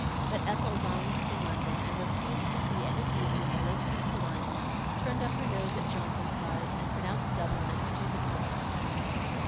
But Ethel longed for London, and refused to see any beauty in the Lakes of Killarney, turned up her nose at jaunting cars, and pronounced Dublin a stupid place.